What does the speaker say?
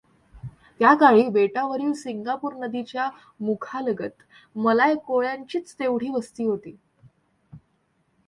त्याकाळी बेटावरील सिंगापूर नदीच्या मुखालगत मलाय कोळ्यांचीच तेवढी वस्ती होती.